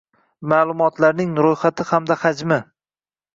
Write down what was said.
ma’lumotlarning ro‘yxati hamda hajmi